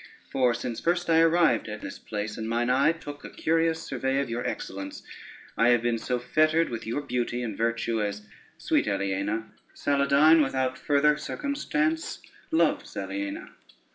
For since first I arrived at this place, and mine eye took a curious survey of your excellence, I have been so fettered with your beauty and virtue, as, sweet Aliena, Saladyne without further circumstance loves Aliena.